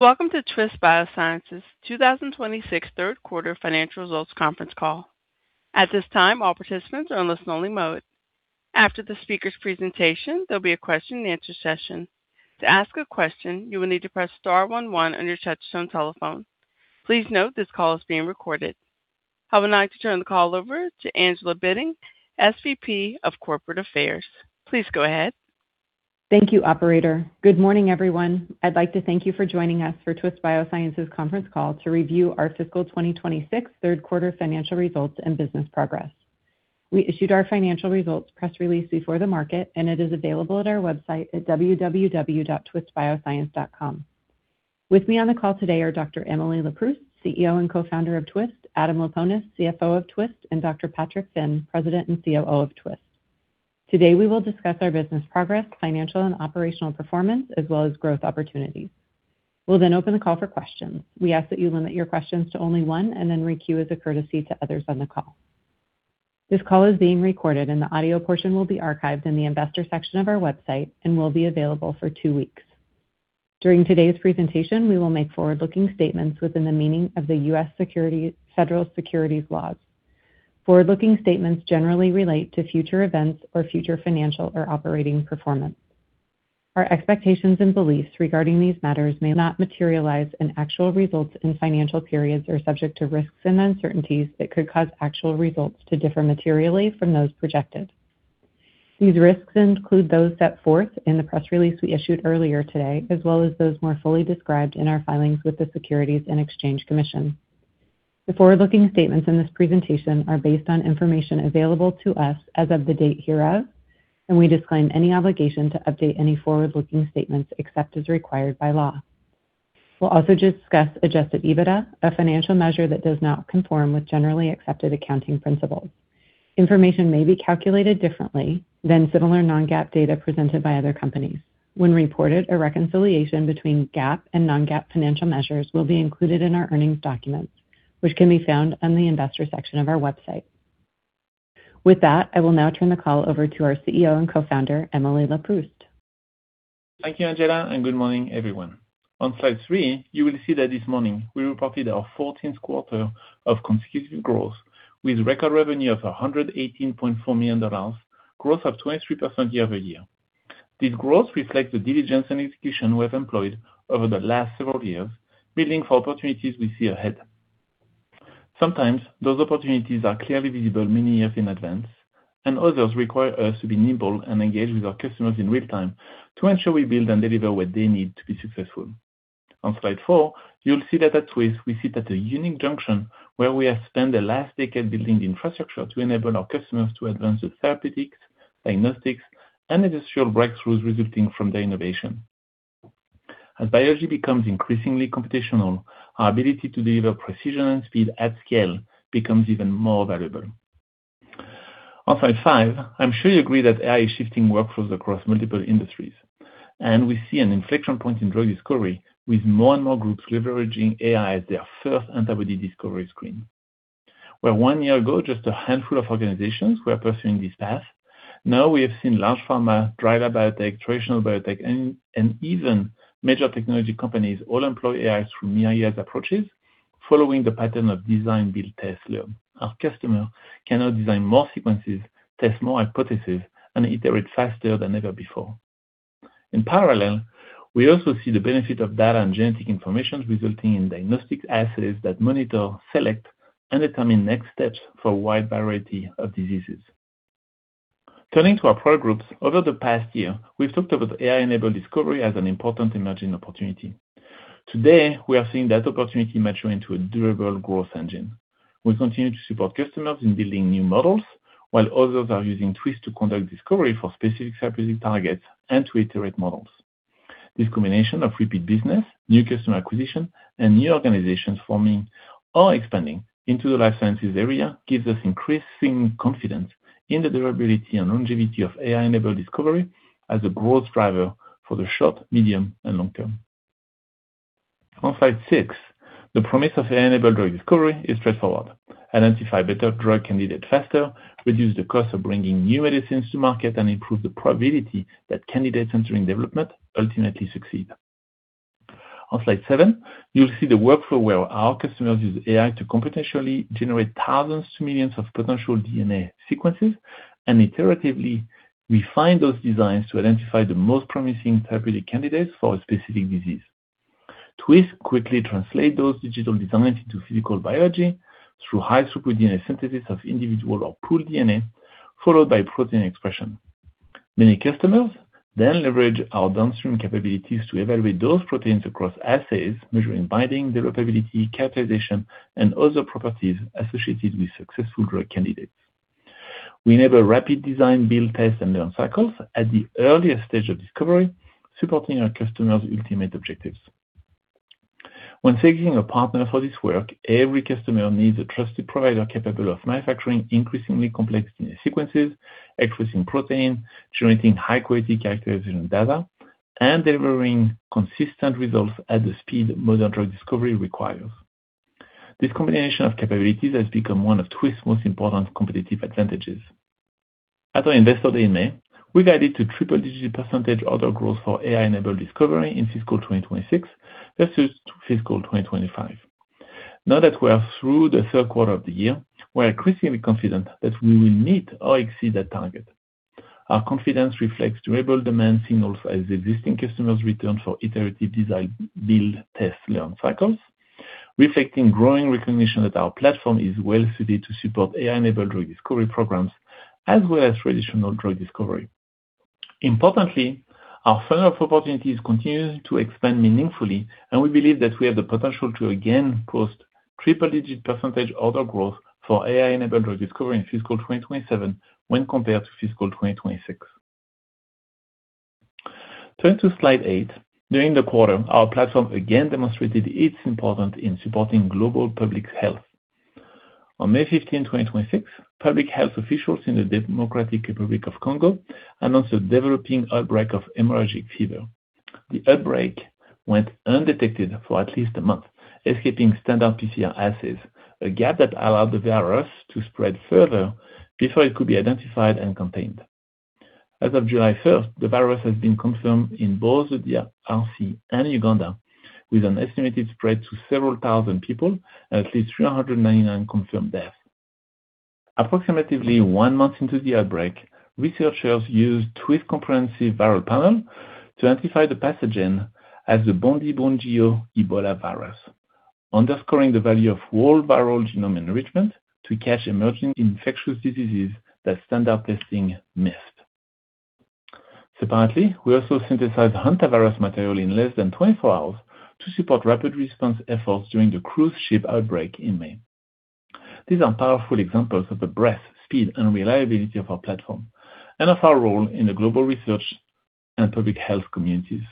Welcome to Twist Bioscience's 2026 third quarter financial results conference call. At this time, all participants are in listen only mode. After the speaker's presentation, there'll be a question-and-answer session. To ask a question, you will need to press star one one on your touchtone telephone. Please note this call is being recorded. I would like to turn the call over to Angela Bitting, SVP of Corporate Affairs. Please go ahead. Thank you, operator. Good morning, everyone. I'd like to thank you for joining us for Twist Bioscience's conference call to review our fiscal 2026 third quarter financial results and business progress. We issued our financial results press release before the market, and it is available at our website at www.twistbioscience.com. With me on the call today are Dr. Emily Leproust, CEO and Co-Founder of Twist, Adam Laponis, CFO of Twist, and Dr. Patrick Finn, President and COO of Twist. Today, we will discuss our business progress, financial and operational performance, as well as growth opportunities. We'll then open the call for questions. We ask that you limit your questions to only one and then re-queue as a courtesy to others on the call. This call is being recorded and the audio portion will be archived in the investor section of our website and will be available for two weeks. During today's presentation, we will make forward-looking statements within the meaning of the U.S. Federal Securities laws. Forward-looking statements generally relate to future events or future financial or operating performance. Our expectations and beliefs regarding these matters may not materialize. Actual results in financial periods are subject to risks and uncertainties that could cause actual results to differ materially from those projected. These risks include those set forth in the press release we issued earlier today, as well as those more fully described in our filings with the Securities and Exchange Commission. The forward-looking statements in this presentation are based on information available to us as of the date hereof. We disclaim any obligation to update any forward-looking statements except as required by law. We'll also discuss adjusted EBITDA, a financial measure that does not conform with generally accepted accounting principles. Information may be calculated differently than similar non-GAAP data presented by other companies. When reported, a reconciliation between GAAP and non-GAAP financial measures will be included in our earnings documents, which can be found on the investor section of our website. With that, I will now turn the call over to our CEO and Co-Founder, Emily Leproust. Thank you, Angela, and good morning, everyone. On slide three, you will see that this morning we reported our 14th quarter of consecutive growth with record revenue of $118.4 million, growth of 23% year-over-year. This growth reflects the diligence and execution we have employed over the last several years, building for opportunities we see ahead. Sometimes those opportunities are clearly visible many years in advance. Others require us to be nimble and engage with our customers in real time to ensure we build and deliver what they need to be successful. On slide four, you'll see that at Twist, we sit at a unique junction where we have spent the last decade building the infrastructure to enable our customers to advance their therapeutics, diagnostics, and industrial breakthroughs resulting from their innovation. As biology becomes increasingly computational, our ability to deliver precision and speed at scale becomes even more valuable. On slide five, I'm sure you agree that AI is shifting workflows across multiple industries. We see an inflection point in drug discovery with more and more groups leveraging AI as their first antibody discovery screen. Where one year ago, just a handful of organizations were pursuing this path, now we have seen large pharma, dry lab biotech, traditional biotech, and even major technology companies all employ AI through ML/AI approaches following the pattern of design, build, test loop. Our customer can now design more sequences, test more hypotheses, and iterate faster than ever before. In parallel, we also see the benefit of data and genetic information resulting in diagnostic assays that monitor, select, and determine next steps for a wide variety of diseases. Turning to our product groups, over the past year, we've talked about AI-enabled discovery as an important emerging opportunity. Today, we are seeing that opportunity mature into a durable growth engine. We continue to support customers in building new models, while others are using Twist to conduct discovery for specific therapeutic targets and to iterate models. This combination of repeat business, new customer acquisition, and new organizations forming or expanding into the life sciences area gives us increasing confidence in the durability and longevity of AI-enabled discovery as a growth driver for the short, medium, and long term. On slide six, the promise of AI-enabled drug discovery is straightforward. Identify better drug candidates faster, reduce the cost of bringing new medicines to market, and improve the probability that candidates entering development ultimately succeed. On slide seven, you'll see the workflow where our customers use AI to computationally generate thousands to millions of potential DNA sequences and iteratively refine those designs to identify the most promising therapeutic candidates for a specific disease. Twist quickly translates those digital designs into physical biology through high-throughput DNA synthesis of individual or pooled DNA, followed by protein expression. Many customers then leverage our downstream capabilities to evaluate those proteins across assays, measuring binding, developability, characterization, and other properties associated with successful drug candidates. We enable rapid design, build, test, and learn cycles at the earliest stage of discovery, supporting our customers' ultimate objectives. When seeking a partner for this work, every customer needs a trusted provider capable of manufacturing increasingly Complex sequences, expressing proteins, generating high-quality characterization data, and delivering consistent results at the speed modern drug discovery requires. This combination of capabilities has become one of Twist's most important competitive advantages. At our Investor Day in May, we guided to triple-digit percentage order growth for AI-enabled discovery in fiscal 2026 versus fiscal 2025. Now that we are through the third quarter of the year, we are increasingly confident that we will meet or exceed that target. Our confidence reflects durable demand signals as existing customers return for iterative design, build, test, learn cycles, reflecting growing recognition that our platform is well-suited to support AI-enabled drug discovery programs, as well as traditional drug discovery. Importantly, our funnel of opportunities continues to expand meaningfully, and we believe that we have the potential to again post triple-digit percentage order growth for AI-enabled drug discovery in fiscal 2027 when compared to fiscal 2026. Turning to slide eight. During the quarter, our platform again demonstrated its importance in supporting global public health. On May 15, 2026, public health officials in the Democratic Republic of Congo announced a developing outbreak of hemorrhagic fever. The outbreak went undetected for at least a month, escaping standard PCR assays, a gap that allowed the virus to spread further before it could be identified and contained. As of July 1st, the virus has been confirmed in both the DRC and Uganda, with an estimated spread to 7,000 people and at least 399 confirmed deaths. Approximately one month into the outbreak, researchers used Twist Comprehensive Viral Research Panel to identify the pathogen as the Bundibugyo ebolavirus, underscoring the value of whole viral genome enrichment to catch emerging infectious diseases that standard testing missed. Separately, we also synthesized hantavirus material in less than 24 hours to support rapid response efforts during the cruise ship outbreak in May. These are powerful examples of the breadth, speed and reliability of our platform and of our role in the global research and public health communities.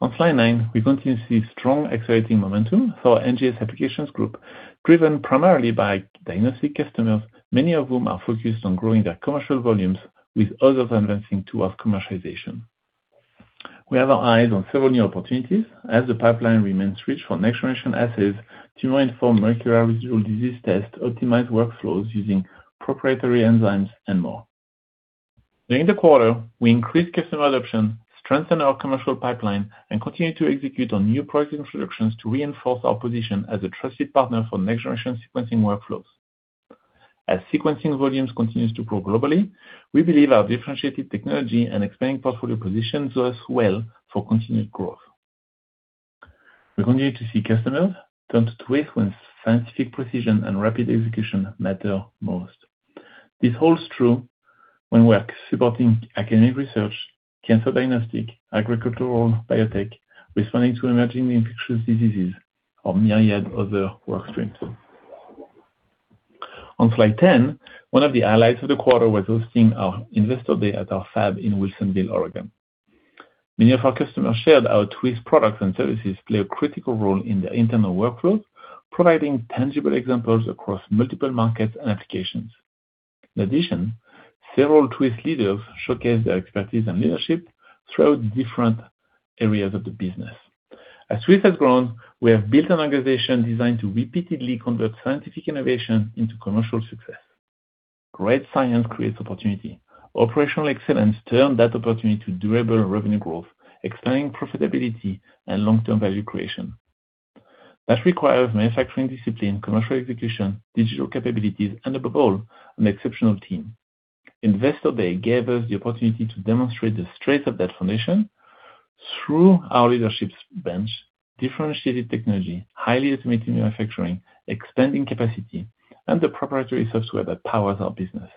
On slide nine, we continue to see strong accelerating momentum for our NGS Applications group, driven primarily by diagnostic customers, many of whom are focused on growing their commercial volumes, with others advancing towards commercialization. We have our eyes on several new opportunities as the pipeline remains rich for next-generation assays to inform molecular residual disease tests, optimize workflows using proprietary enzymes, and more. During the quarter, we increased customer adoption, strengthened our commercial pipeline, and continued to execute on new product introductions to reinforce our position as a trusted partner for next-generation sequencing workflows. As sequencing volumes continues to grow globally, we believe our differentiated technology and expanding portfolio positions us well for continued growth. We continue to see customers turn to Twist when scientific precision and rapid execution matter most. This holds true when we are supporting academic research, cancer diagnostic, agricultural biotech, responding to emerging infectious diseases, or myriad other work streams. On slide 10, one of the highlights of the quarter was hosting our Investor Day at our fab in Wilsonville, Oregon. Many of our customers shared how Twist products and services play a critical role in their internal workflows, providing tangible examples across multiple markets and applications. In addition, several Twist leaders showcased their expertise and leadership throughout the different areas of the business. As Twist has grown, we have built an organization designed to repeatedly convert scientific innovation into commercial success. Great science creates opportunity. Operational excellence turn that opportunity to durable revenue growth, expanding profitability and long-term value creation. That requires manufacturing discipline, commercial execution, digital capabilities, and above all, an exceptional team. Investor Day gave us the opportunity to demonstrate the strength of that foundation through our leadership bench, differentiated technology, highly automated manufacturing, expanding capacity, and the proprietary software that powers our business.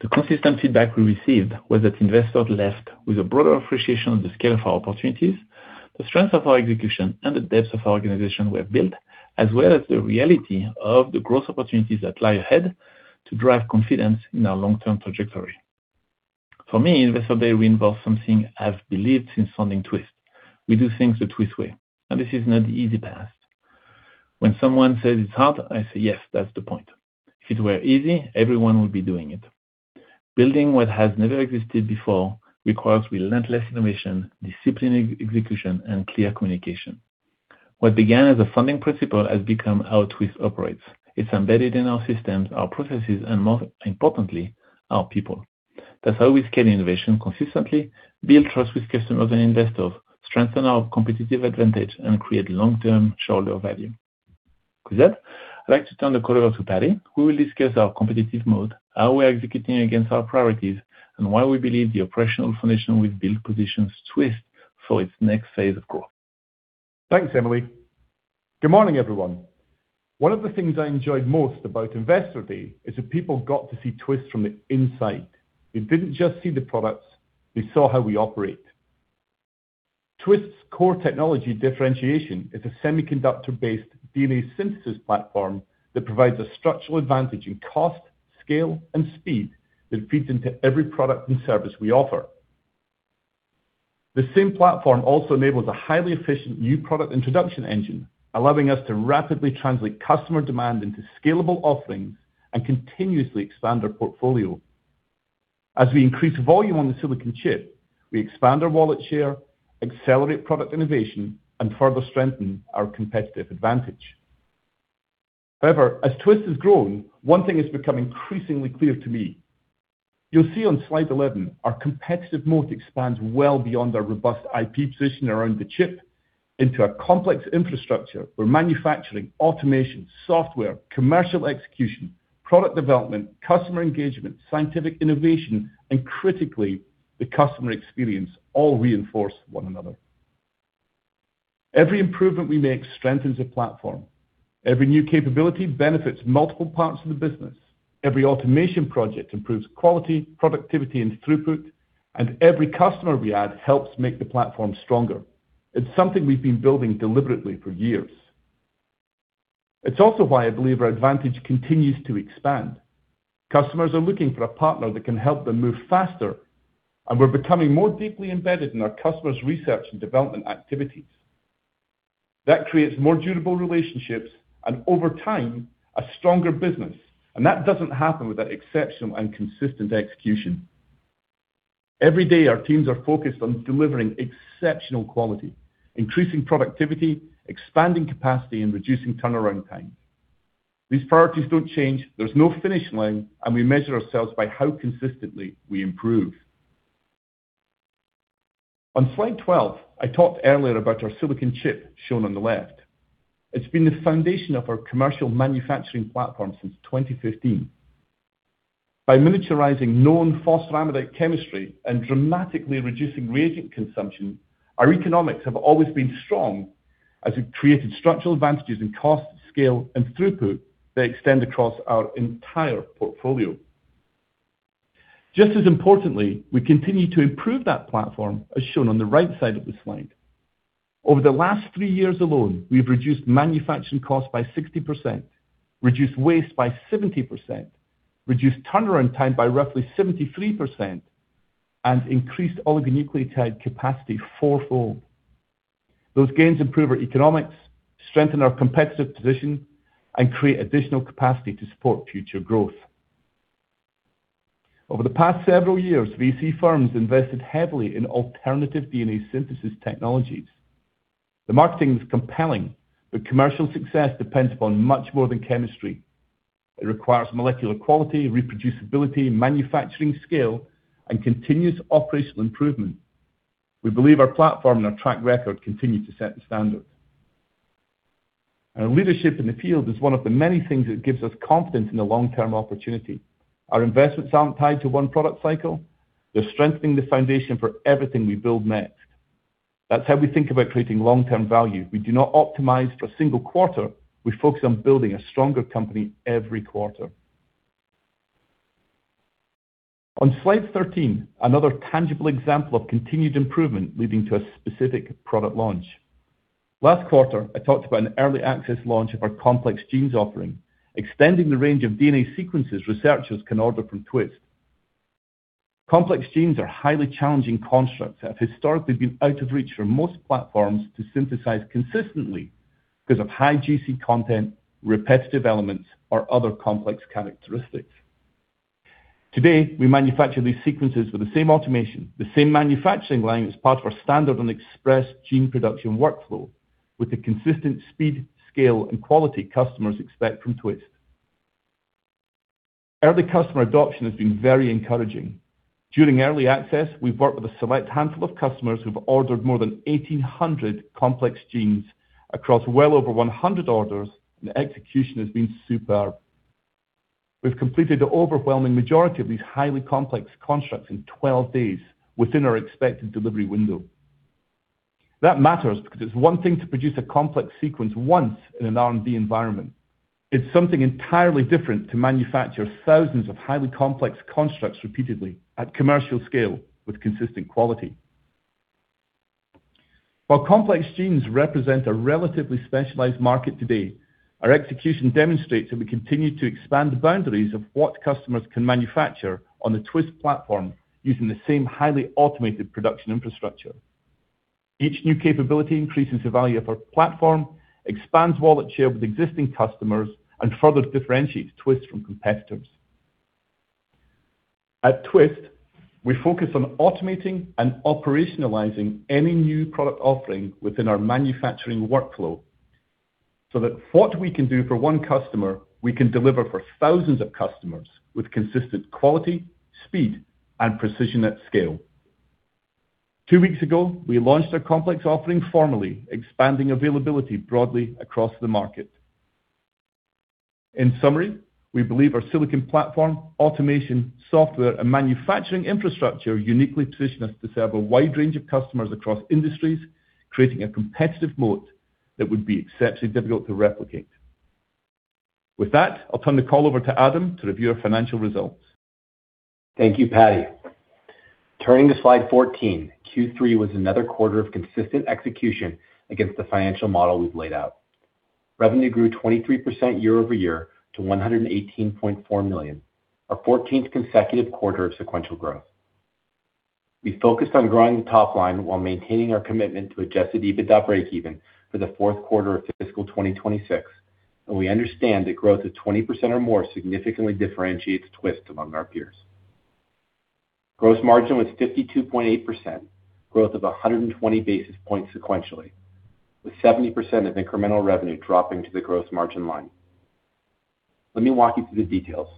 The consistent feedback we received was that investors left with a broader appreciation of the scale of our opportunities, the strength of our execution, and the depth of our organization we have built, as well as the reality of the growth opportunities that lie ahead to drive confidence in our long-term trajectory. For me, Investor Day reinforced something I've believed since founding Twist. We do things the Twist way, and this is not the easy path. When someone says it's hard, I say, "Yes, that's the point." If it were easy, everyone would be doing it. Building what has never existed before requires relentless innovation, disciplined execution, and clear communication. What began as a founding principle has become how Twist operates. It's embedded in our systems, our processes, and most importantly, our people. That's how we scale innovation consistently, build trust with customers and investors, strengthen our competitive advantage, and create long-term shareholder value. With that, I'd like to turn the call over to Paddy, who will discuss our competitive moat, how we are executing against our priorities, and why we believe the operational foundation we've built positions Twist for its next phase of growth. Thanks, Emily. Good morning, everyone. One of the things I enjoyed most about Investor Day is that people got to see Twist from the inside. They didn't just see the products, they saw how we operate. Twist's core technology differentiation is a semiconductor-based DNA synthesis platform that provides a structural advantage in cost, scale, and speed that feeds into every product and service we offer. The same platform also enables a highly efficient new product introduction engine, allowing us to rapidly translate customer demand into scalable offerings and continuously expand our portfolio. As we increase volume on the silicon chip, we expand our wallet share, accelerate product innovation, and further strengthen our competitive advantage. As Twist has grown, one thing has become increasingly clear to me. You'll see on slide 11, our competitive moat expands well beyond our robust IP position around the chip into a complex infrastructure where manufacturing, automation, software, commercial execution, product development, customer engagement, scientific innovation, and critically, the customer experience, all reinforce one another. Every improvement we make strengthens the platform. Every new capability benefits multiple parts of the business. Every automation project improves quality, productivity, and throughput, and every customer we add helps make the platform stronger. It's something we've been building deliberately for years. It's also why I believe our advantage continues to expand. Customers are looking for a partner that can help them move faster, and we're becoming more deeply embedded in our customers' research and development activities. That creates more durable relationships, and over time, a stronger business, and that doesn't happen without exceptional and consistent execution. Every day, our teams are focused on delivering exceptional quality, increasing productivity, expanding capacity, and reducing turnaround times. These priorities don't change. There's no finish line. We measure ourselves by how consistently we improve. On slide 12, I talked earlier about our silicon chip, shown on the left. It's been the foundation of our commercial manufacturing platform since 2015. By miniaturizing known phosphoramidite chemistry and dramatically reducing reagent consumption, our economics have always been strong as we've created structural advantages in cost, scale, and throughput that extend across our entire portfolio. Just as importantly, we continue to improve that platform, as shown on the right side of the slide. Over the last three years alone, we've reduced manufacturing costs by 60%, reduced waste by 70%, reduced turnaround time by roughly 73%, and increased oligonucleotide capacity four-fold. Those gains improve our economics, strengthen our competitive position, and create additional capacity to support future growth. Over the past several years, VC firms invested heavily in alternative DNA synthesis technologies. The marketing is compelling, but commercial success depends upon much more than chemistry. It requires molecular quality, reproducibility, manufacturing scale, and continuous operational improvement. We believe our platform and our track record continue to set the standard. Our leadership in the field is one of the many things that gives us confidence in the long-term opportunity. Our investments aren't tied to one product cycle. They're strengthening the foundation for everything we build next. That's how we think about creating long-term value. We do not optimize for a single quarter. We focus on building a stronger company every quarter. On slide 13, another tangible example of continued improvement leading to a specific product launch. Last quarter, I talked about an early access launch of our Complex Genes offering, extending the range of DNA sequences researchers can order from Twist. Complex Genes are highly challenging constructs that have historically been out of reach for most platforms to synthesize consistently because of high GC content, repetitive elements, or other complex characteristics. Today, we manufacture these sequences with the same automation, the same manufacturing line as part of our standard and Express Genes production workflow with the consistent speed, scale, and quality customers expect from Twist. Early customer adoption has been very encouraging. During early access, we've worked with a select handful of customers who've ordered more than 1,800 Complex Genes across well over 100 orders. The execution has been superb. We've completed the overwhelming majority of these highly complex constructs in 12 days, within our expected delivery window. That matters because it's one thing to produce a complex sequence once in an R&D environment. It's something entirely different to manufacture thousands of highly complex constructs repeatedly at commercial scale with consistent quality. While Complex Genes represent a relatively specialized market today, our execution demonstrates that we continue to expand the boundaries of what customers can manufacture on the Twist platform using the same highly automated production infrastructure. Each new capability increases the value of our platform, expands wallet share with existing customers, and further differentiates Twist from competitors. At Twist, we focus on automating and operationalizing any new product offering within our manufacturing workflow so that what we can do for one customer, we can deliver for thousands of customers with consistent quality, speed, and precision at scale. Two weeks ago, we launched our complex offering formally, expanding availability broadly across the market. In summary, we believe our silicon platform, automation, software, and manufacturing infrastructure uniquely position us to serve a wide range of customers across industries, creating a competitive moat that would be exceptionally difficult to replicate. With that, I'll turn the call over to Adam Laponis to review our financial results. Thank you, Paddy. Turning to slide 14, Q3 was another quarter of consistent execution against the financial model we've laid out. Revenue grew 23% year-over-year to $118.4 million, our 14th consecutive quarter of sequential growth. We focused on growing the top line while maintaining our commitment to adjusted EBITDA breakeven for the fourth quarter of fiscal 2026. We understand that growth of 20% or more significantly differentiates Twist among our peers. Gross margin was 52.8%, growth of 120 basis points sequentially, with 70% of incremental revenue dropping to the gross margin line. Let me walk you through the details.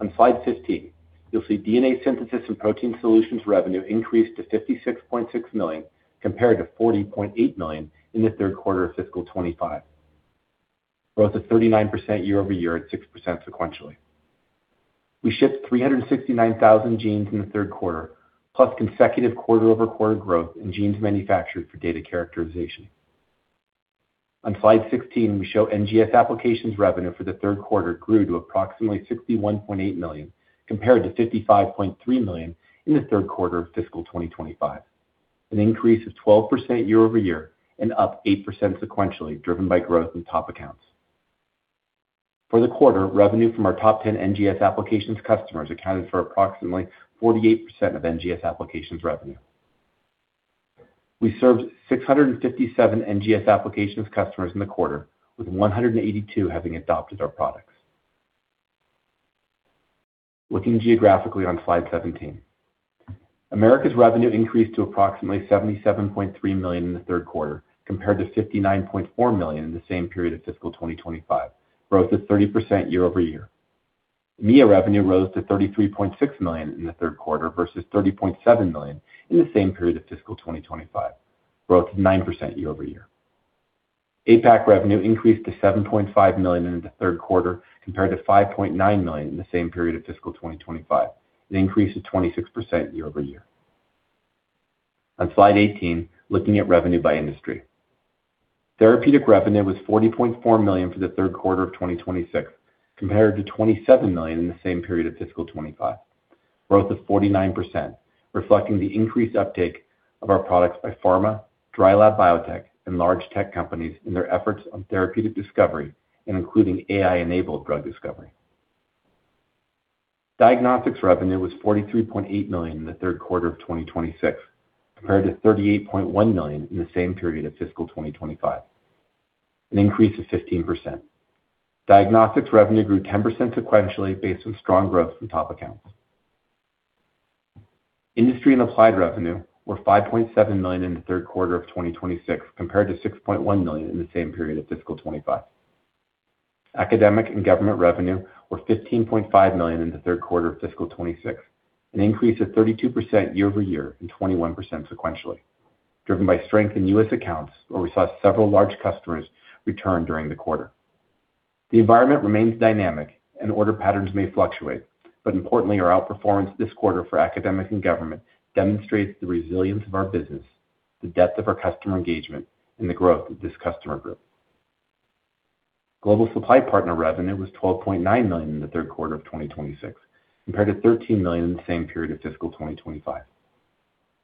On slide 15, you'll see DNA Synthesis and Protein Solutions revenue increased to $56.6 million compared to $40.8 million in the third quarter of fiscal 2025, growth of 39% year-over-year at 6% sequentially. We shipped 369,000 genes in the third quarter, plus consecutive quarter-over-quarter growth in genes manufactured for data characterization. On slide 16, we show NGS Applications revenue for the third quarter grew to approximately $61.8 million, compared to $55.3 million in the third quarter of fiscal 2025, an increase of 12% year-over-year and up 8% sequentially, driven by growth in top accounts. For the quarter, revenue from our top 10 NGS Applications customers accounted for approximately 48% of NGS Applications revenue. We served 657 NGS Applications customers in the quarter, with 182 having adopted our products. Looking geographically on slide 17, Americas revenue increased to approximately $77.3 million in the third quarter compared to $59.4 million in the same period of fiscal 2025, growth of 30% year-over-year. EMEA revenue rose to $33.6 million in the third quarter versus $30.7 million in the same period of fiscal 2025, growth of 9% year-over-year. APAC revenue increased to $7.5 million in the third quarter compared to $5.9 million in the same period of fiscal 2025, an increase of 26% year-over-year. On slide 18, looking at revenue by industry, therapeutic revenue was $40.4 million for the third quarter of 2026 compared to $27 million in the same period of fiscal 2025, growth of 49%, reflecting the increased uptake of our products by pharma, dry lab biotech, and large tech companies in their efforts on therapeutic discovery and including AI-enabled drug discovery. Diagnostics revenue was $43.8 million in the third quarter of 2026 compared to $38.1 million in the same period of fiscal 2025, an increase of 15%. Diagnostics revenue grew 10% sequentially based on strong growth from top accounts. Industry and applied revenue were $5.7 million in the third quarter of 2026 compared to $6.1 million in the same period of fiscal 2025. Academic and government revenue were $15.5 million in the third quarter of fiscal 2026, an increase of 32% year-over-year and 21% sequentially, driven by strength in U.S. accounts where we saw several large customers return during the quarter. Importantly, our outperformance this quarter for academic and government demonstrates the resilience of our business, the depth of our customer engagement, and the growth of this customer group. Global Supply Partner revenue was $12.9 million in the third quarter of 2026 compared to $13 million in the same period of fiscal 2025.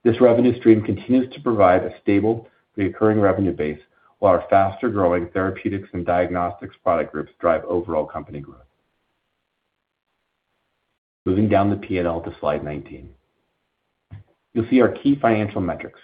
This revenue stream continues to provide a stable reoccurring revenue base while our faster-growing therapeutics and diagnostics product groups drive overall company growth. Moving down the P&L to slide 19. You'll see our key financial metrics.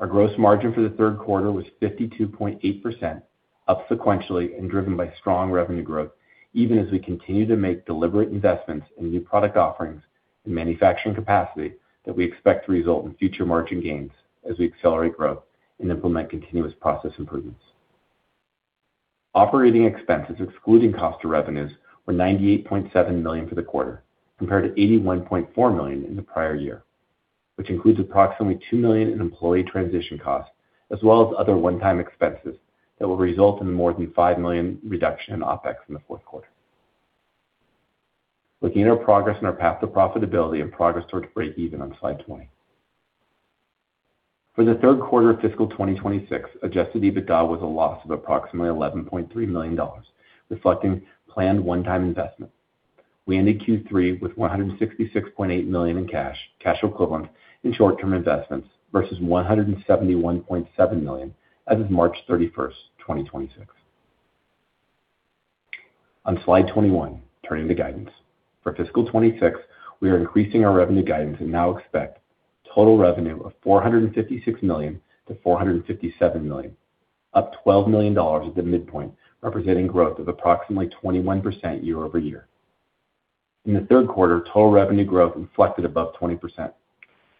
Our gross margin for the third quarter was 52.8%, up sequentially and driven by strong revenue growth, even as we continue to make deliberate investments in new product offerings and manufacturing capacity that we expect to result in future margin gains as we accelerate growth and implement continuous process improvements. Operating expenses excluding cost to revenues were $98.7 million for the quarter compared to $81.4 million in the prior year, which includes approximately $2 million in employee transition costs as well as other one-time expenses that will result in more than $5 million reduction in OpEx in the fourth quarter. Looking at our progress and our path to profitability and progress towards breakeven on slide 20. For the third quarter of fiscal 2026, adjusted EBITDA was a loss of approximately $11.3 million, reflecting planned one-time investment. We ended Q3 with $166.8 million in cash equivalents, and short-term investments versus $171.7 million as of March 31st, 2026. On slide 21, turning to guidance. For fiscal 2026, we are increasing our revenue guidance and now expect total revenue of $456 million to $457 million, up $12 million at the midpoint, representing growth of approximately 21% year-over-year. In the third quarter, total revenue growth reflected above 20%.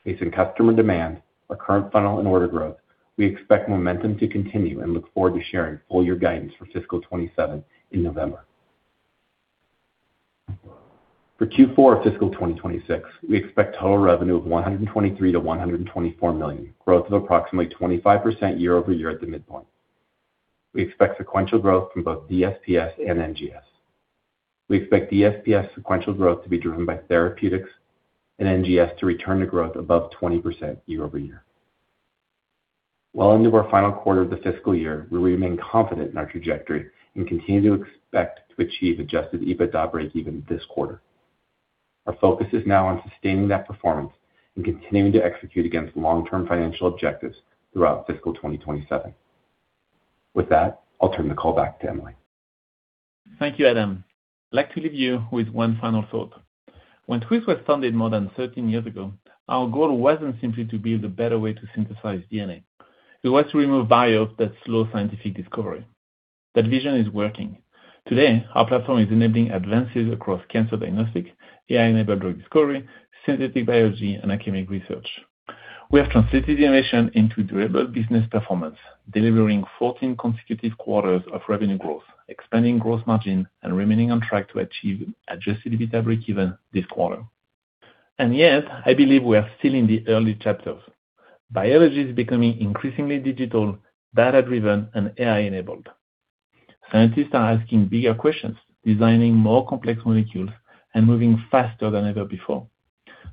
Based on customer demand, our current funnel, and order growth, we expect momentum to continue and look forward to sharing full year guidance for fiscal 2027 in November. For Q4 fiscal 2026, we expect total revenue of $123 million-$124 million, growth of approximately 25% year-over-year at the midpoint. We expect sequential growth from both DSPS and NGS. We expect DSPS sequential growth to be driven by therapeutics and NGS to return to growth above 20% year-over-year. Well into our final quarter of the fiscal year, we remain confident in our trajectory and continue to expect to achieve adjusted EBITDA breakeven this quarter. Our focus is now on sustaining that performance and continuing to execute against long-term financial objectives throughout fiscal 2027. With that, I'll turn the call back to Emily. Thank you, Adam. I'd like to leave you with one final thought. When Twist was founded more than 13 years ago, our goal wasn't simply to build a better way to synthesize DNA. It was to remove barriers that slow scientific discovery. That vision is working. Today, our platform is enabling advances across cancer diagnostic, AI-enabled drug discovery, synthetic biology, and academic research. We have translated the innovation into durable business performance, delivering 14 consecutive quarters of revenue growth, expanding gross margin, and remaining on track to achieve adjusted EBITDA breakeven this quarter. Yet, I believe we are still in the early chapters. Biology is becoming increasingly digital, data-driven, and AI-enabled. Scientists are asking bigger questions, designing more complex molecules, and moving faster than ever before.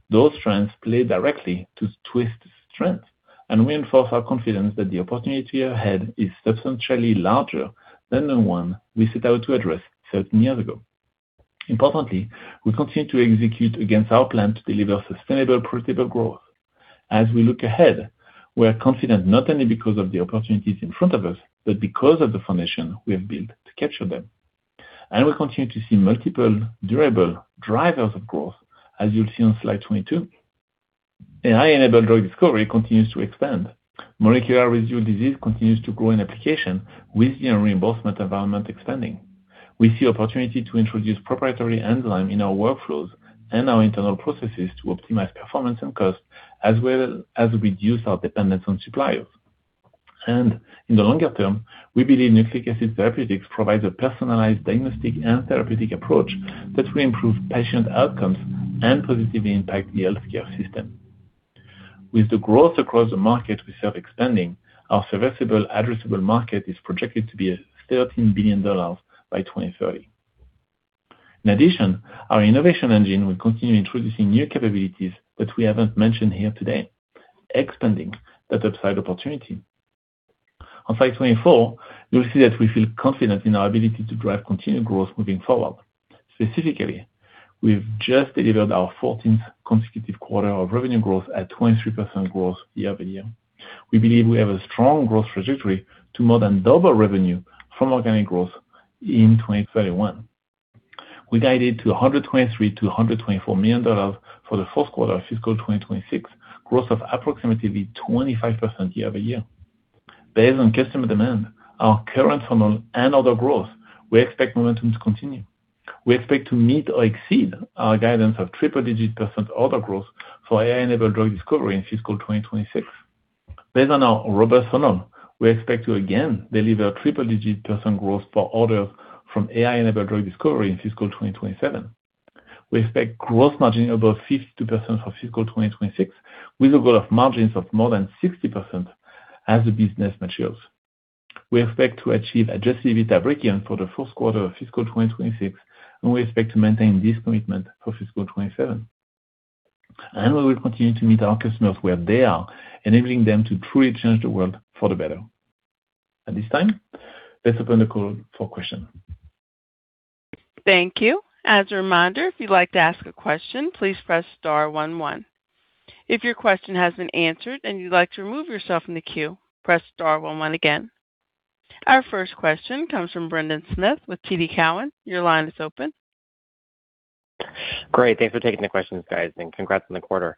Those trends play directly to Twist's strength and reinforce our confidence that the opportunity ahead is substantially larger than the one we set out to address 13 years ago. Importantly, we continue to execute against our plan to deliver sustainable, profitable growth. As we look ahead, we are confident not only because of the opportunities in front of us, but because of the foundation we have built to capture them. We continue to see multiple durable drivers of growth, as you'll see on slide 22. AI-enabled drug discovery continues to expand. Molecular residual disease continues to grow in application within a reimbursement environment expanding. We see opportunity to introduce proprietary enzyme in our workflows and our internal processes to optimize performance and cost, as well as reduce our dependence on suppliers. In the longer term, we believe Nucleic Acid Therapeutics provides a personalized diagnostic and therapeutic approach that will improve patient outcomes and positively impact the healthcare system. With the growth across the market we serve expanding, our serviceable addressable market is projected to be $13 billion by 2030. In addition, our innovation engine will continue introducing new capabilities that we haven't mentioned here today, expanding that upside opportunity. On slide 24, you'll see that we feel confident in our ability to drive continued growth moving forward. Specifically, we've just delivered our 14th consecutive quarter of revenue growth at 23% growth year-over-year. We believe we have a strong growth trajectory to more than double revenue from organic growth in 2031. We guided to $123 million-$124 million for the fourth quarter of fiscal 2026, growth of approximately 25% year-over-year. Based on customer demand, our current funnel, and other growth, we expect momentum to continue. We expect to meet or exceed our guidance of triple-digit percent order growth for AI-enabled drug discovery in fiscal 2026. Based on our robust funnel, we expect to again deliver triple-digit percent growth for orders from AI-enabled drug discovery in fiscal 2027. We expect gross margin above [52%] for fiscal 2026, with a goal of margins of more than 60% as the business matures. We expect to achieve adjusted EBITDA breakeven for the fourth quarter of fiscal 2026. We expect to maintain this commitment for fiscal 2027. We will continue to meet our customers where they are, enabling them to truly change the world for the better. At this time, let's open the call for questions. Thank you. As a reminder, if you'd like to ask a question, please press star one one. If your question has been answered and you'd like to remove yourself from the queue, press star one one again. Our first question comes from Brendan Smith with TD Cowen. Your line is open. Great. Thanks for taking the questions, guys, and congrats on the quarter.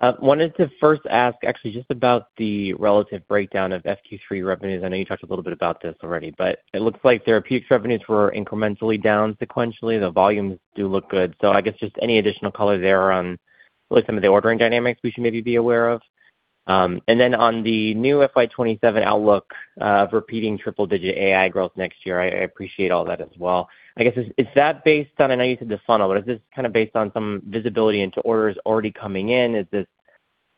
Wanted to first ask actually just about the relative breakdown of F Q3 revenues. I know you talked a little bit about this already, but it looks like therapeutics revenues were incrementally down sequentially. The volumes do look good. I guess just any additional color there on some of the ordering dynamics we should maybe be aware of. On the new FY 2027 outlook of repeating triple-digit AI growth next year, I appreciate all that as well. I guess, is that based on, I know you said the funnel, but is this kind of based on some visibility into orders already coming in? Is this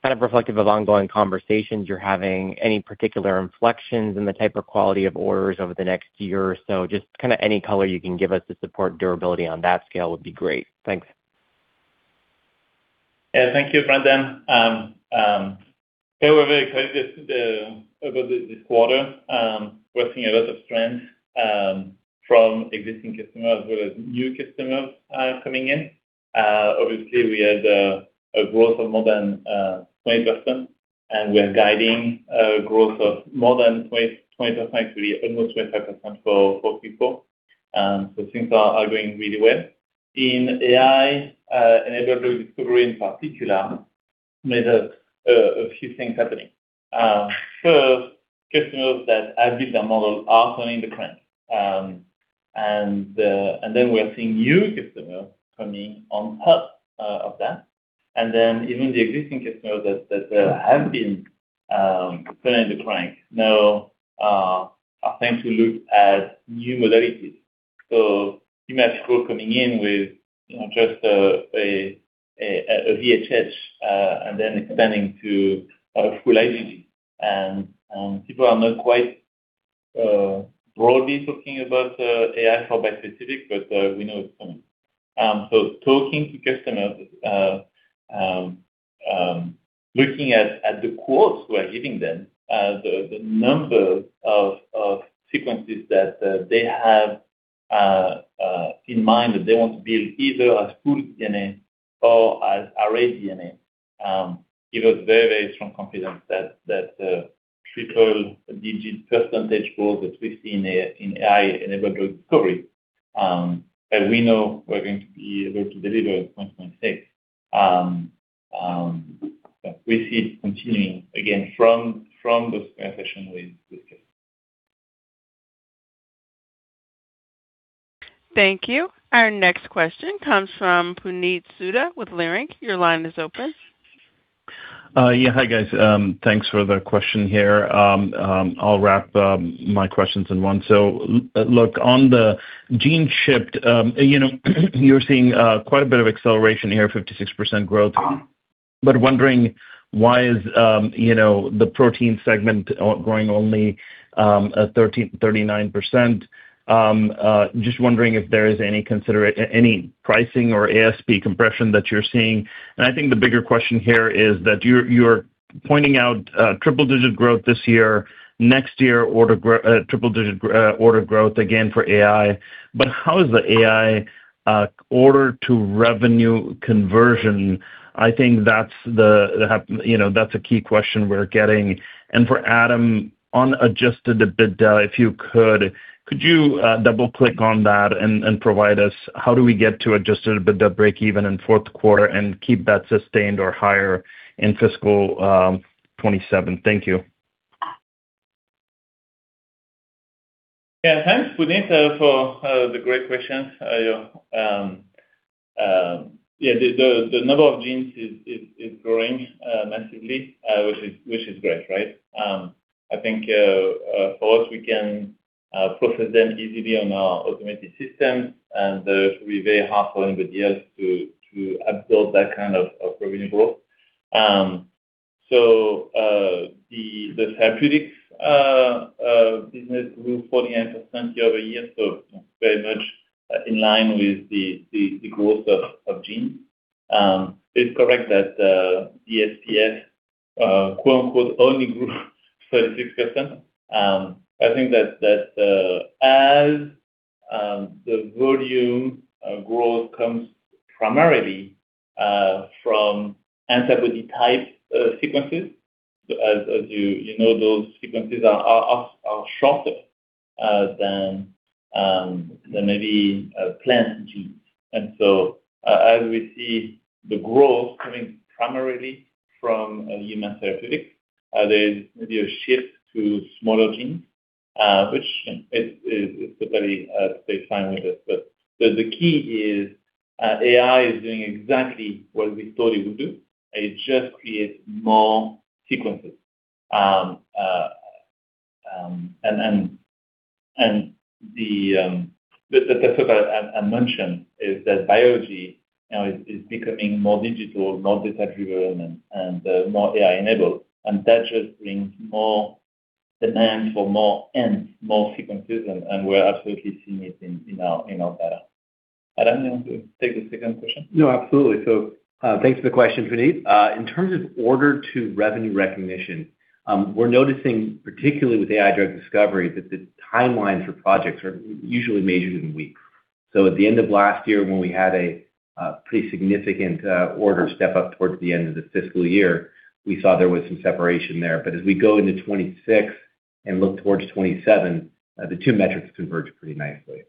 kind of reflective of ongoing conversations you're having? Any particular inflections in the type of quality of orders over the next year or so? Just kind of any color you can give us to support durability on that scale would be great. Thanks. Thank you, Brendan. We're very excited about this quarter. We're seeing a lot of strength from existing customers as well as new customers coming in. Obviously, we had a growth of more than 20%, and we are guiding growth of more than 20%, actually almost 25% for people. Things are going really well. In AI-enabled discovery in particular, we had a few things happening. First, customers that have built their models are turning the crank. We are seeing new customers coming on top of that. Even the existing customers that have been turning the crank now are starting to look at new modalities. You might see people coming in with just a VHH and then expanding to a full IgG. People are not quite broadly talking about AI for bispecific, but we know it's coming. Talking to customers, looking at the quotes we're giving them, the number of sequences that they have in mind that they want to build either as full DNA or as array DNA Give us very strong confidence that triple-digit percentage growth that we've seen in AI-enabled drug discovery that we know we're going to be able to deliver in 2026. We see it continuing, again, from this conversation with Thank you. Our next question comes from Puneet Souda with Leerink Partners. Your line is open. Hi, guys. Thanks for the question here. I'll wrap my questions in one. Look, on the gene shipped, you're seeing quite a bit of acceleration here, 56% growth. Wondering why is the protein segment growing only at 39%? Just wondering if there is any pricing or ASP compression that you're seeing. I think the bigger question here is that you're pointing out triple-digit growth this year, next year, triple-digit order growth again for AI. How is the AI order-to-revenue conversion? I think that's a key question we're getting. For Adam, on adjusted EBITDA, if you could you double-click on that and provide us how do we get to adjusted EBITDA breakeven in fourth quarter and keep that sustained or higher in fiscal 2027? Thank you. Thanks, Puneet, for the great question. The number of genes is growing massively, which is great, right? I think, for us, we can process them easily on our automated system, and it should be very hard for anybody else to absorb that kind of revenue growth. The therapeutics business grew 49% year-over-year, very much in line with the growth of genes. It's correct that the DSPS "only grew" 36%. I think that as the volume growth comes primarily from antibody type sequences. As you know, those sequences are shorter than maybe plant genes. As we see the growth coming primarily from human therapeutics, there's maybe a shift to smaller genes, which is totally fine with us. The key is, AI is doing exactly what we thought it would do. It just creates more sequences. The third part I mentioned is that biology now is becoming more digital, more data-driven, and more AI-enabled, and that just brings more demand for more N, more sequences, and we are absolutely seeing it in our data. Adam you want to take the second question? No, absolutely. Thanks for the question, Puneet. In terms of order-to-revenue recognition, we're noticing, particularly with AI drug discovery, that the timelines for projects are usually measured in weeks. At the end of last year when we had a pretty significant order step-up towards the end of the fiscal year, we saw there was some separation there. As we go into 2026 and look towards 2027, the two metrics converge pretty nicely.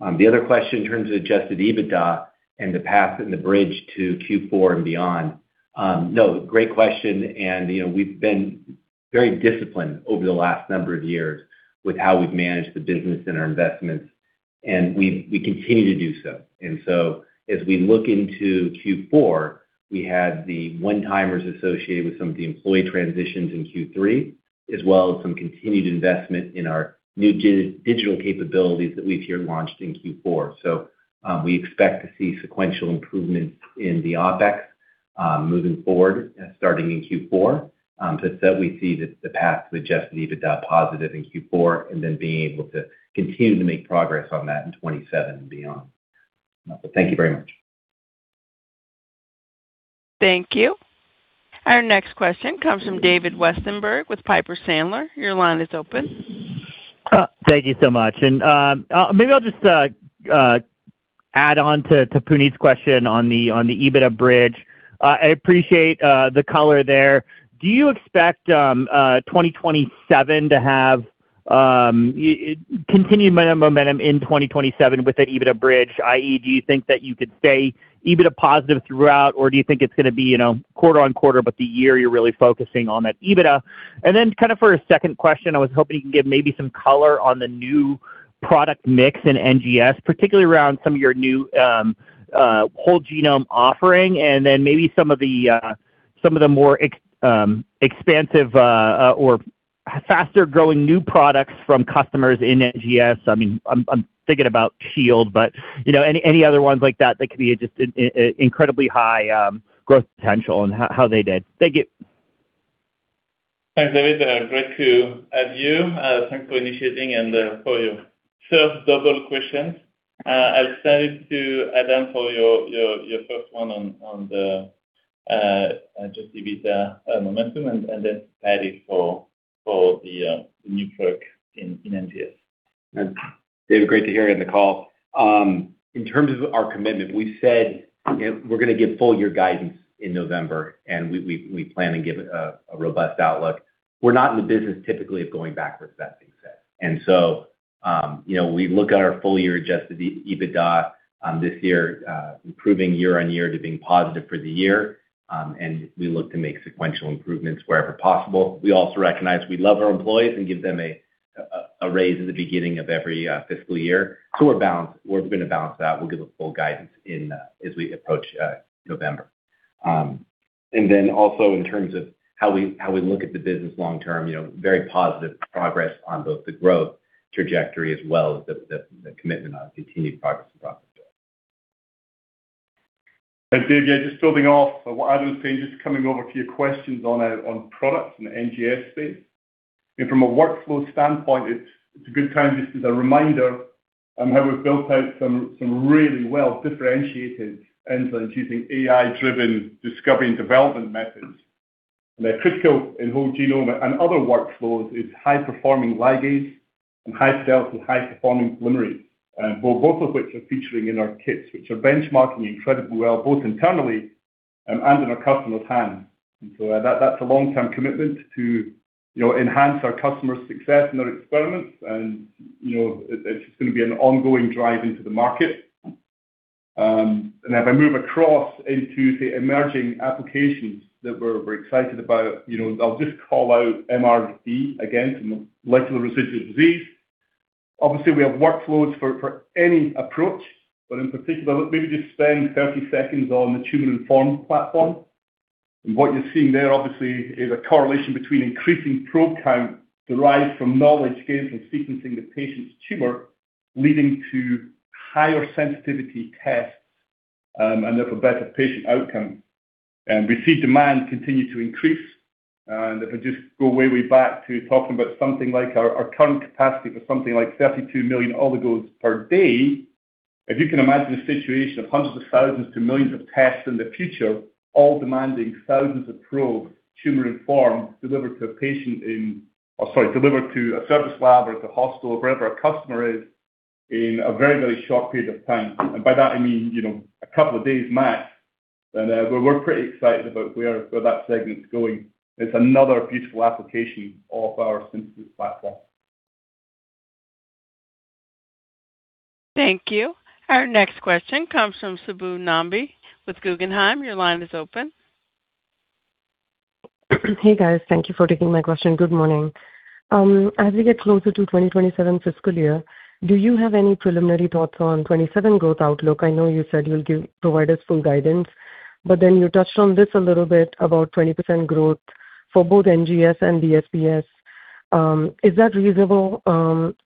The other question, in terms of adjusted EBITDA and the path and the bridge to Q4 and beyond. No, great question, and we've been very disciplined over the last number of years with how we've managed the business and our investments, and we continue to do so. As we look into Q4, we had the one-timers associated with some of the employee transitions in Q3, as well as some continued investment in our new digital capabilities that we've here launched in Q4. We expect to see sequential improvements in the OpEx moving forward, starting in Q4. Said, we see that the path to adjusted EBITDA positive in Q4 and then being able to continue to make progress on that in 2027 and beyond. Thank you very much. Thank you. Our next question comes from David Westenberg with Piper Sandler. Your line is open. Thank you so much. Maybe I'll just add on to Puneet's question on the EBITDA bridge. I appreciate the color there. Do you expect continued momentum in 2027 with that EBITDA bridge, i.e., do you think that you could stay EBITDA positive throughout, or do you think it's going to be quarter-on-quarter, but the year you're really focusing on that EBITDA? For a second question, I was hoping you could give maybe some color on the new product mix in NGS, particularly around some of your new whole genome offering and then maybe some of the more expansive or faster-growing new products from customers in NGS. I'm thinking about Shield, but any other ones like that could be just incredibly high-growth potential and how they did. Thank you. Thanks, David. Great to have you. Thanks for initiating and for your first double question. I'll start to Adam for your first one on the adjusted EBITDA momentum and then Paddy for the new work in NGS. David, great to hear you on the call. In terms of our commitment, we said we're going to give full-year guidance in November, and we plan to give a robust outlook. We're not in the business typically of going backwards, that being said. We look at our full-year adjusted EBITDA this year, improving year-on-year to being positive for the year. We look to make sequential improvements wherever possible. We also recognize we love our employees and give them a raise at the beginning of every fiscal year. We're going to balance that. We'll give a full guidance as we approach November. Also in terms of how we look at the business long term, very positive progress on both the growth trajectory, as well as the commitment on continued progress and profitability. Dave, yeah, just building off of what Adam was saying, just coming over to your questions on products in the NGS space. From a workflow standpoint, it's a good time just as a reminder on how we've built out some really well-differentiated enzymes using AI-driven discovery and development methods. They're critical in whole genome and other workflows. It's high-performing ligase and high fidelity, high-performing polymerase, both of which are featuring in our kits, which are benchmarking incredibly well, both internally and in our customers' hands. That's a long-term commitment to enhance our customers' success in their experiments, it's just going to be an ongoing drive into the market. If I move across into the emerging applications that we're very excited about, I'll just call out MRD again, so molecular residual disease. Obviously, we have workflows for any approach, but in particular, maybe just spend 30 seconds on the tumor informed platform. What you're seeing there obviously is a correlation between increasing probe count derived from knowledge gained from sequencing the patient's tumor, leading to higher sensitivity tests, and therefore better patient outcome. We see demand continue to increase. If I just go way back to talking about something like our current capacity for something like 72 million oligos per day, if you can imagine a situation of hundreds of thousands to millions of tests in the future, all demanding thousands of probes, tumor informed, delivered to a patient in, or sorry, delivered to a service lab or to hospital or wherever a customer is in a very, very short period of time. By that I mean a couple of days max. We're pretty excited about where that segment's going. It's another beautiful application of our synthesis platform. Thank you. Our next question comes from Subbu Nambi with Guggenheim. Your line is open. Hey, guys. Thank you for taking my question. Good morning. As we get closer to 2027 fiscal year, do you have any preliminary thoughts on 2027 growth outlook? I know you said you'll provide us full guidance, but then you touched on this a little bit about 20% growth for both NGS and DSPS. Is that reasonable?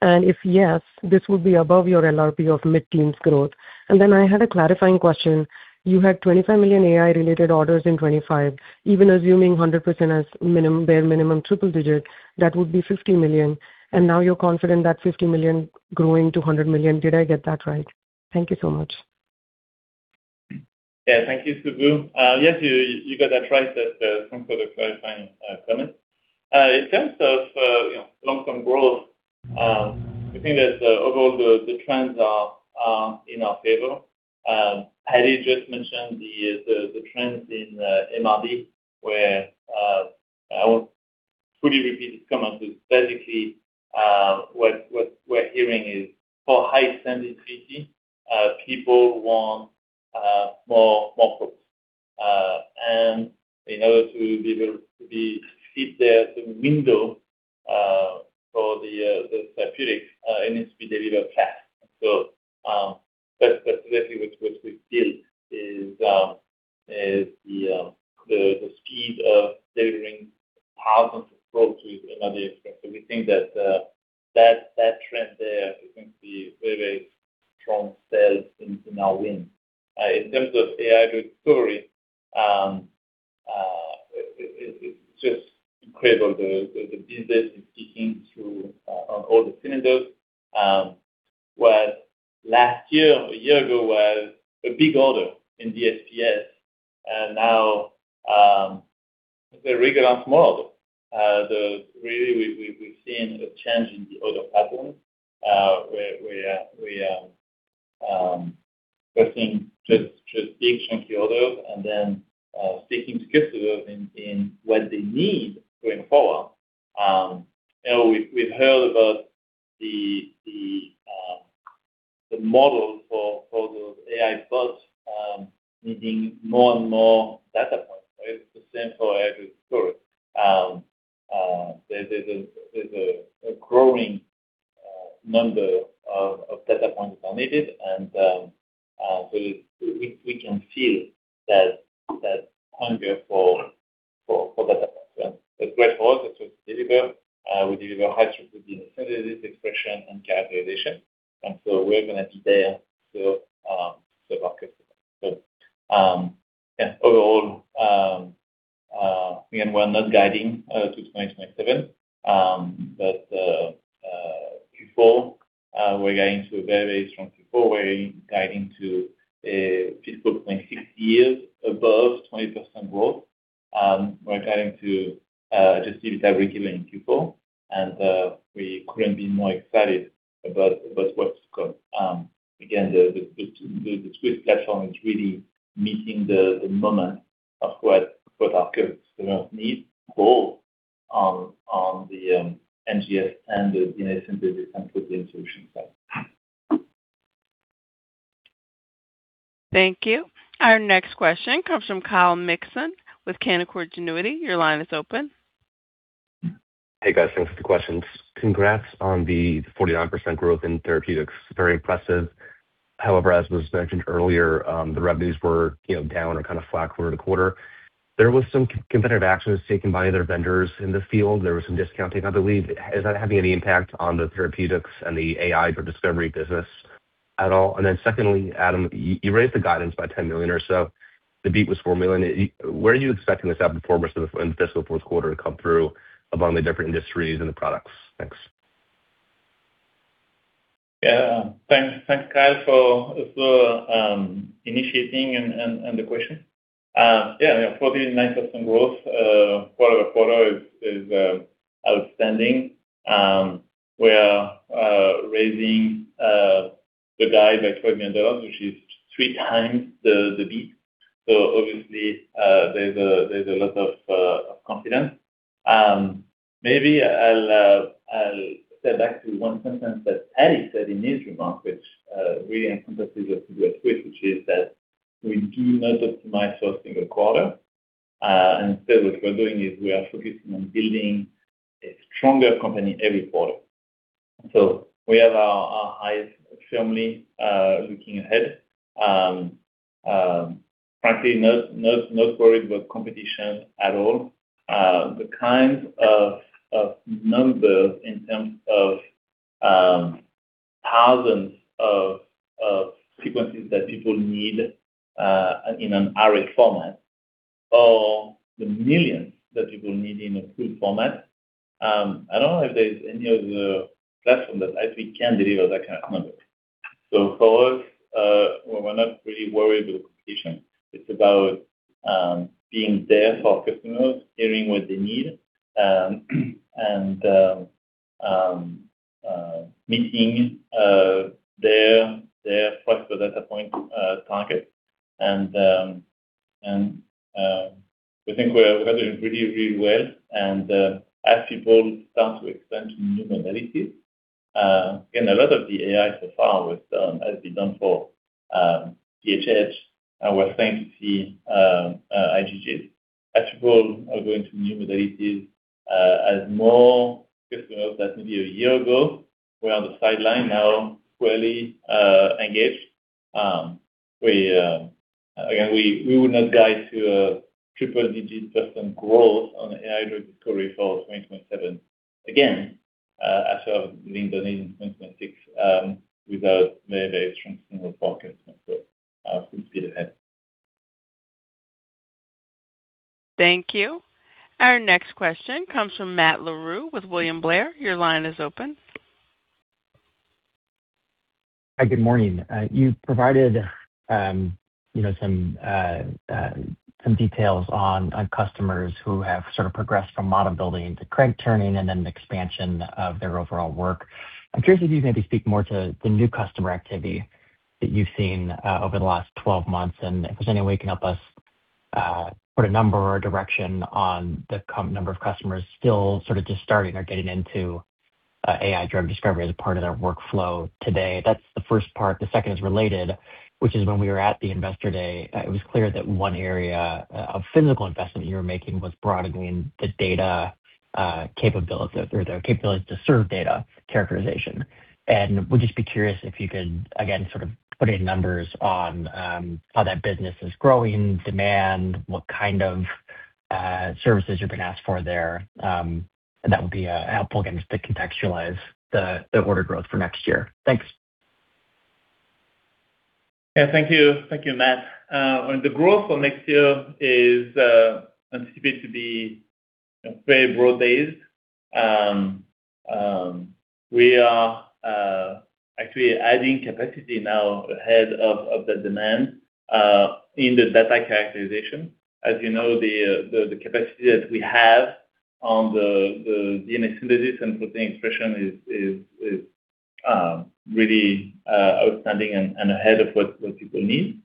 If yes, this would be above your LRP of mid-teens growth. I had a clarifying question. You had $25 million AI-related orders in 2025, even assuming 100% as bare minimum triple digit, that would be $50 million. Now you're confident that $50 million growing to $100 million. Did I get that right? Thank you so much. Thank you, Subbu. Yes, you got that right. That's some sort of clarifying comment. In terms of long-term growth, I think that overall the trends are in our favor. Paddy just mentioned the trends in MRD where I won't fully repeat his comment, but basically, what we're hearing is for high sensitivity, people want more probes. In order to be able to be fit there, the window, for the specific, it needs to be delivered fast. That's basically what we've built is the speed of delivering thousands of probes with another expression. We think that trend there is going to be a very, very strong sell into new win. In terms of AI story, it's just incredible the business is peaking through on all the cylinders. What last year or a year ago was a big order in DSPS and now, they're a regular model. Really, we've seen a change in the order pattern, where we are seeing just big chunky orders and then sticking to customers in what they need going forward. We've heard about the model for those AI bots needing more and more The beat was $4 million. Where are you expecting this outperformance in the fiscal first quarter to come through among the different industries and the products? Thanks. Thanks, Kyle, for initiating and the question. 49% growth quarter-over-quarter is outstanding. We are raising the guide by $12 million, which is three times the beat. Obviously, there's a lot of confidence. Maybe I'll step back to one sentence that Paddy said in his remarks, which really encompasses the Twist, which is that we do not optimize for a single quarter. Instead, what we're doing is we are focusing on building a stronger company every quarter. We have our eyes firmly looking ahead. Frankly, no worries about competition at all. The kinds of numbers in terms of thousands of sequences that people need in an array format, or the millions that people need in a pool format, I don't know if there's any other platform that actually can deliver that kind of numbers. For us, we're not really worried about competition. It's about being there for our customers, hearing what they need, and meeting their flexible data point target. We think we're doing really well. As people start to expand to new modalities, again, a lot of the AI so far has been done for VHHs, and we're starting to see IgGs. As people are going to new modalities, as more customers that maybe a year ago were on the sideline, now squarely engaged. Again, we would not guide to a triple-digit percentage growth on AI-driven discovery for 2027 again, as I've leaned on in 2026, without very strong comparable customers. Full speed ahead. Thank you. Our next question comes from Matt Larew with William Blair. Your line is open. Hi, good morning. You provided some details on customers who have sort of progressed from model building to crank turning, and then the expansion of their overall work. I'm curious if you can maybe speak more to the new customer activity that you've seen over the last 12 months, and if there's any way you can help us put a number or a direction on the number of customers still sort of just starting or getting into AI-driven discovery as a part of their workflow today. That's the first part. The second is related, which is when we were at the Investor Day, it was clear that one area of physical investment you were making was broadening the data capability or the capability to serve data characterization. Would just be curious if you could, again, sort of put any numbers on how that business is growing, demand, what kind of services you're being asked for there. That would be helpful, again, just to contextualize the order growth for next year. Thanks. Yeah, thank you. Thank you, Matt. The growth for next year is anticipated to be very broad-based. We are actually adding capacity now ahead of the demand in the data characterization. As you know, the capacity that we have on the DNA Synthesis and protein expression is really outstanding and ahead of what people need.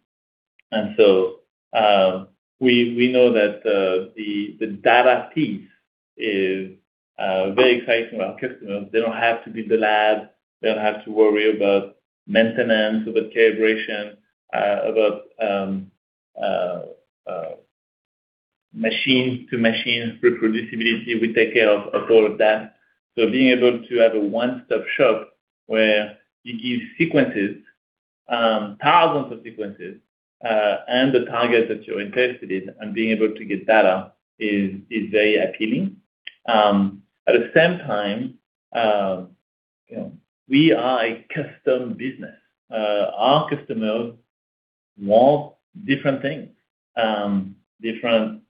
We know that the data piece is very exciting for our customers. They don't have to be the lab. They don't have to worry about maintenance, about calibration, about machine-to-machine reproducibility. We take care of all of that. Being able to have a one-stop shop where you give sequences, thousands of sequences, and the target that you're interested in, and being able to get data is very appealing. At the same time, we are a custom business. Our customers want different things, different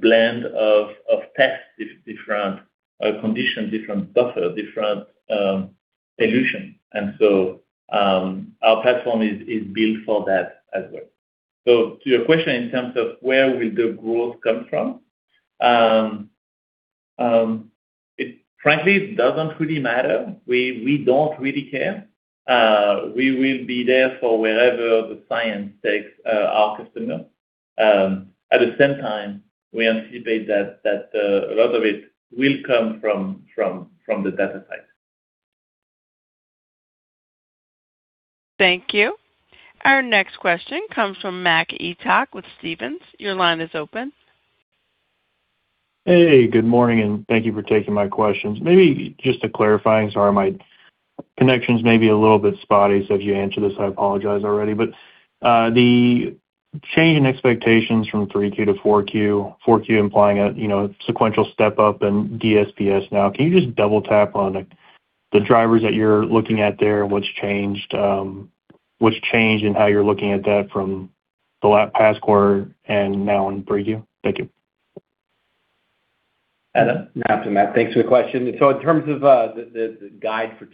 blend of tests, different conditions, different buffer, different solution. Our platform is built for that as well. To your question in terms of where will the growth come from, frankly, it doesn't really matter. We don't really care. We will be there for wherever the science takes our customer. At the same time, we anticipate that a lot of it will come from the data side. Thank you. Our next question comes from Mac Etoch with Stephens. Your line is open. Hey, good morning, and thank you for taking my questions. Maybe just to clarify, sorry my connection's maybe a little bit spotty, so if you answer this, I apologize already, but the change in expectations from 3Q-4Q implying a sequential step up in DSPS now. Can you just double tap on the drivers that you're looking at there and what's changed in how you're looking at that from the past quarter and now in 3Q? Thank you. Adam? Paddy, thanks for the question. In terms of the guide for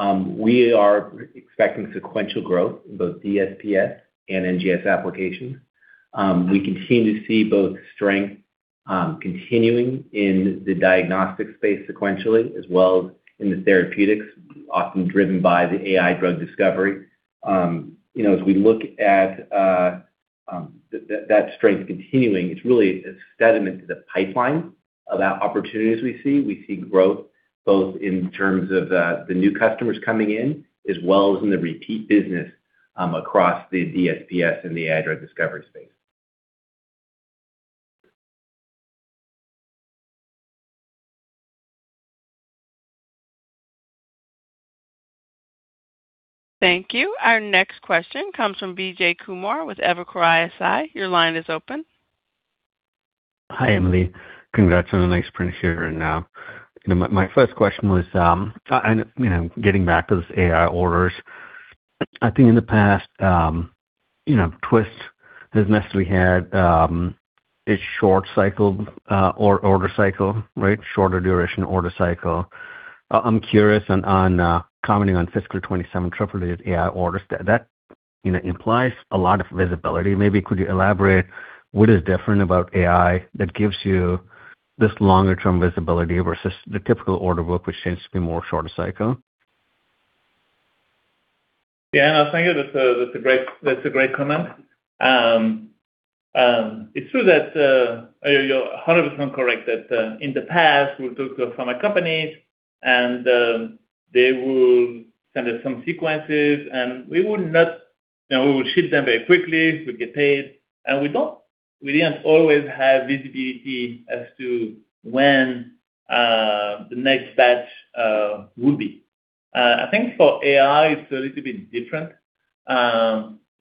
Q4, we are expecting sequential growth in both DSPS and NGS Applications. We continue to see both strength continuing in the diagnostic space sequentially as well as in the therapeutics, often driven by the AI drug discovery. As we look at that strength continuing, it's really a testament to the pipeline of the opportunities we see. We see growth both in terms of the new customers coming in as well as in the repeat business across the DSPS and the AI drug discovery space. Thank you. Our next question comes from Vijay Kumar with Evercore ISI. Your line is open. Hi, Emily. My first question was, getting back to those AI orders, I think in the past Twist has necessarily had its short order cycle, right? Shorter duration order cycle. I'm curious on commenting on fiscal 2027 triple-led AI orders. That implies a lot of visibility. Maybe could you elaborate what is different about AI that gives you this longer-term visibility versus the typical order book, which seems to be more shorter cycle? Thank you. That's a great comment. It's true that, you're 100% correct, that in the past we talked to pharma companies, they would send us some sequences, we would ship them very quickly, we'd get paid. We didn't always have visibility as to when the next batch would be. I think for AI, it's a little bit different,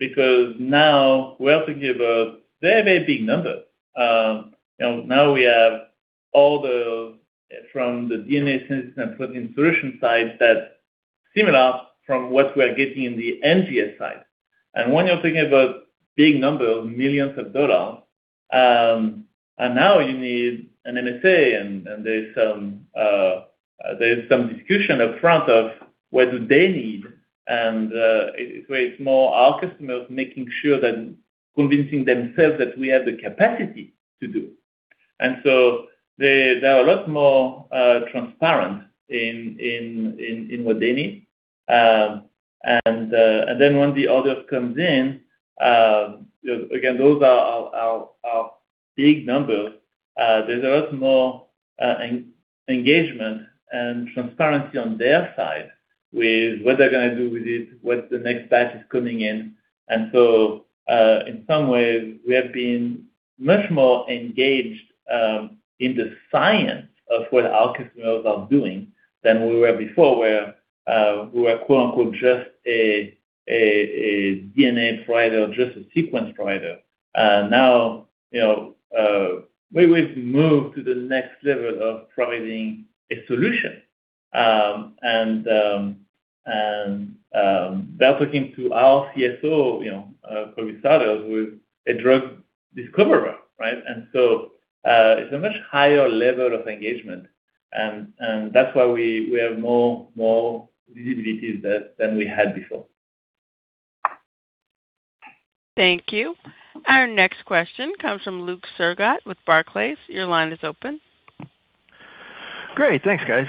because now we are thinking about very, very big numbers. Now we have all from the DNA Synthesis and Protein Solutions side that's similar from what we are getting in the NGS side. When you're thinking about big numbers, millions of dollar, now you need [MSA] and there's some discussion up front of what do they need, in a way it's more our customers making sure that convincing themselves that we have the capacity to do. They are a lot more transparent in what they need. Once the order comes in, again, those are our big numbers. There's a lot more engagement and transparency on their side with what they're going to do with it, what the next batch is coming in. In some ways, we have been much more engaged in the science of what our customers are doing than we were before, where we were, quote-unquote, "Just a DNA provider or just a sequence provider." Now we've moved to the next level of providing a solution. They're talking to our CSO, Colby Souders, who is a drug discoverer, right? It's a much higher level of engagement, and that's why we have more visibility than we had before. Thank you. Our next question comes from Luke Sergott with Barclays. Your line is open. Great. Thanks, guys.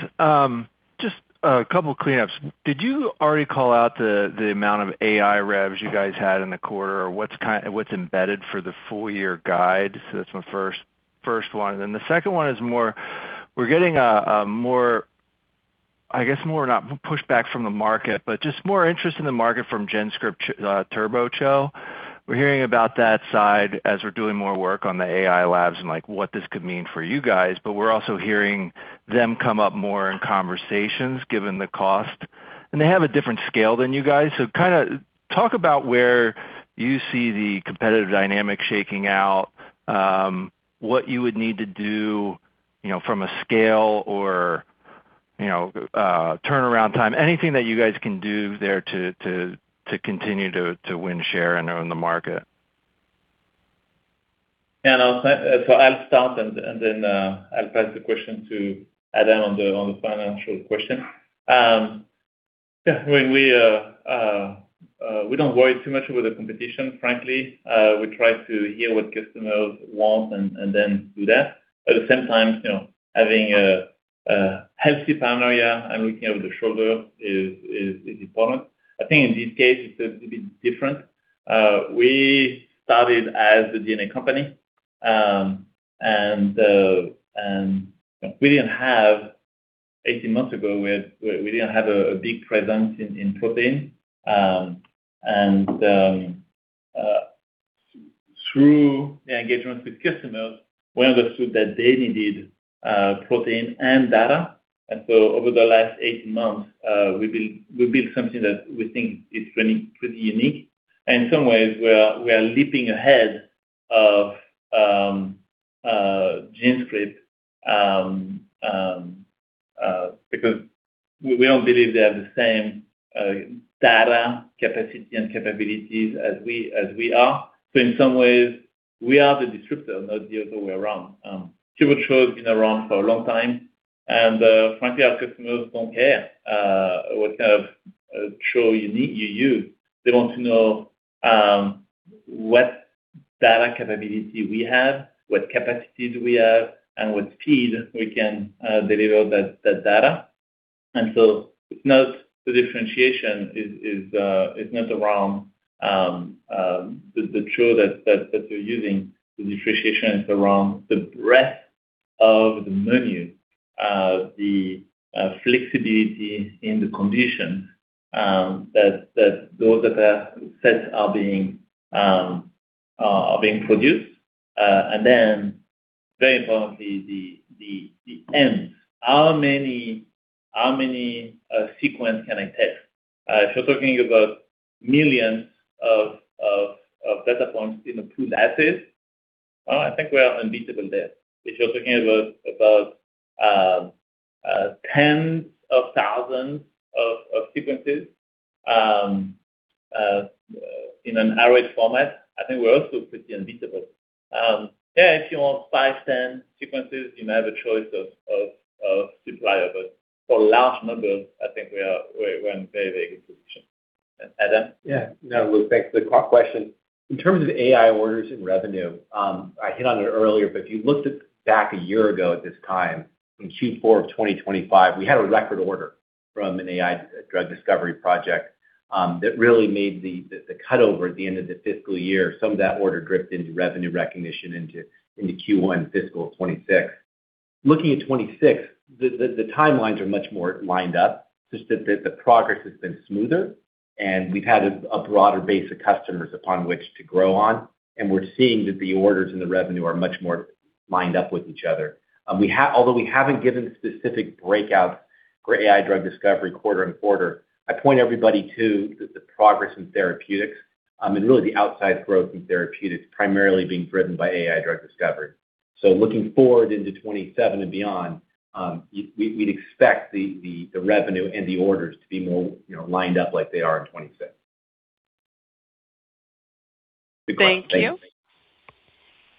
Just a couple cleanups. Did you already call out the amount of AI revs you guys had in the quarter, or what's embedded for the full-year guide? That's my first one. The second one is more, we're getting more, I guess more, not pushback from the market, but just more interest in the market from GenScript TurboCHO. We're hearing about that side as we're doing more work on the AI labs and what this could mean for you guys, but we're also hearing them come up more in conversations given the cost. They have a different scale than you guys. Talk about where you see the competitive dynamic shaking out, what you would need to do from a scale or turnaround time, anything that you guys can do there to continue to win share and own the market. I'll start and then I'll pass the question to Adam on the financial question. We don't worry too much about the competition, frankly. We try to hear what customers want and then do that. At the same time, having a healthy paranoia and looking over the shoulder is important. I think in this case, it's a bit different. We started as a DNA company, 18 months ago, we didn't have a big presence in protein. Through the engagement with customers, we understood that they needed protein and data. Over the last 18 months, we built something that we think is pretty unique. In some ways, we are leaping ahead of GenScript, because we don't believe they have the same data capacity and capabilities as we are. In some ways, we are the disruptor, not the other way around. TurboCHO has been around for a long time, frankly, our customers don't care which view you use. They want to know what data capability we have, what capacities we have, and what speed we can deliver that data. The differentiation is not around the tool that you're using. The differentiation is around the breadth of the menu, the flexibility in the condition that those sets are being produced. Very importantly, the end. How many sequence can I test? If you're talking about millions of data points in a pool asset, I think we are unbeatable there. If you're talking about tens of thousands of sequences, in an array format, I think we're also pretty unbeatable. If you want five, 10 sequences, you may have a choice of supplier. For large numbers, I think we're in a very good position. Adam? No, Luke, thanks. Good question. In terms of AI orders and revenue, I hit on it earlier, if you looked at back a year ago at this time, in Q4 of 2025, we had a record order from an AI drug discovery project, that really made the cutover at the end of the fiscal year. Some of that order dripped into revenue recognition into Q1 fiscal 2026. Looking at 2026, the timelines are much more lined up, just that the progress has been smoother, we've had a broader base of customers upon which to grow on, we're seeing that the orders and the revenue are much more lined up with each other. Although we haven't given specific breakouts for AI drug discovery quarter-on-quarter, I point everybody to the progress in therapeutics, and really the outsized growth in therapeutics primarily being driven by AI drug discovery. Looking forward into 2027 and beyond, we'd expect the revenue and the orders to be more lined up like they are in 2026. Thank you.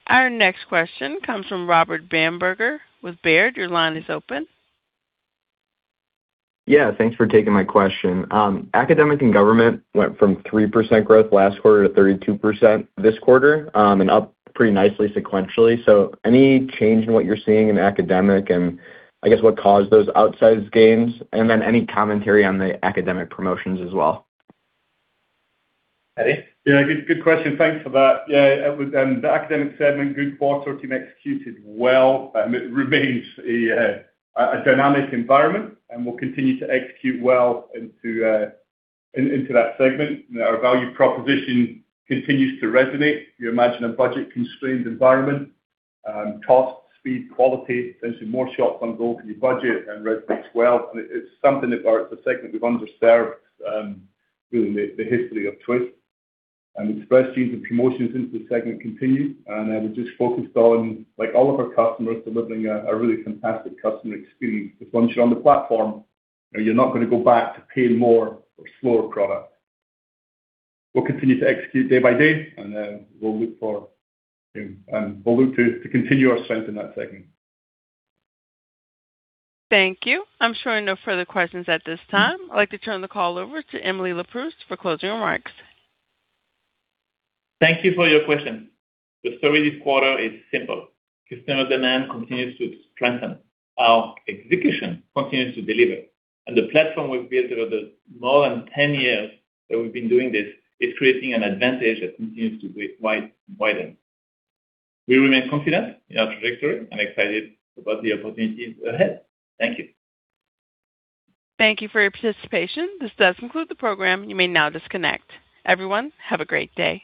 Our next question comes from Robert Bamberger with Baird. Your line is open. Thanks for taking my question. Academic and government went from 3% growth last quarter to 32% this quarter, and up pretty nicely sequentially. Any change in what you're seeing in academic, and I guess what caused those outsized gains? Any commentary on the academic promotions as well? Paddy? Good question. Thanks for that. The academic segment, good quarter. Team executed well. It remains a dynamic environment, and we'll continue to execute well into that segment. Our value proposition continues to resonate. You imagine a budget-constrained environment, cost, speed, quality tends to more shots on goal for your budget and resonates well. It's something that it's a segment we've underserved through the history of Twist. Express Genes and promotions into the segment continue, and we're just focused on, like all of our customers, delivering a really fantastic customer experience, because once you're on the platform, you're not going to go back to pay more for slower product. We'll continue to execute day by day, and we'll look to continue our strength in that segment. Thank you. I'm showing no further questions at this time. I'd like to turn the call over to Emily Leproust for closing remarks. Thank you for your question. The story this quarter is simple. Customer demand continues to strengthen. Our execution continues to deliver, and the platform we've built over the more than 10 years that we've been doing this is creating an advantage that continues to widen. We remain confident in our trajectory and excited about the opportunities ahead. Thank you. Thank you for your participation. This does conclude the program. You may now disconnect. Everyone, have a great day.